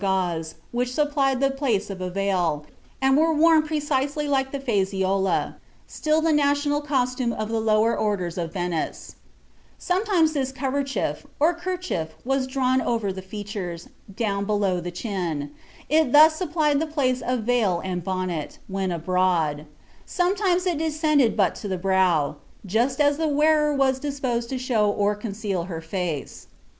1T7 gauze, which supplied die place of a veiU and was worn precisely h'ke die faziola^ still the national costume of the lower orders of Venice Sometimes this coverchief, or kerchief was drawn over the features, down below the chin ; it thus supplied the place of veil and bonnet, when abroad ; sometimes it descended but to the brow ; just as the wearer was disposed to show or conceal her face.